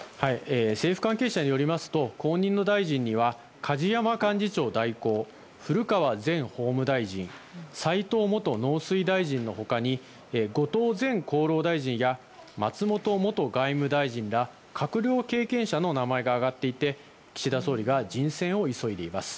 政府関係者によりますと後任の大臣には梶山幹事長代行古川前法務大臣齋藤元農水大臣の他に後藤前厚労大臣や松本元外務大臣ら閣僚経験者の名前が挙がっていて岸田総理が人選を急いでいます。